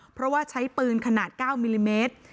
เพราะว่าใช้ปืนขนาด๙มิลลิเมตร